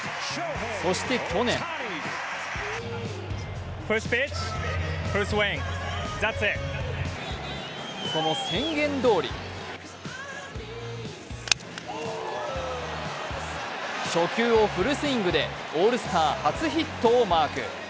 そして去年その宣言どおり初球をフルスイングでオールスター初ヒットをマーク。